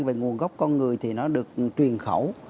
về nguồn gốc con người thì nó được truyền khẩu